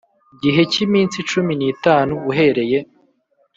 gihe cy iminsi cumi n itanu uhereye